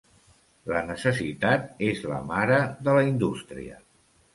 La necessitat és la mare de la indústria.